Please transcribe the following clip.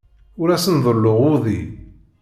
Ur asen-ḍelluɣ udi.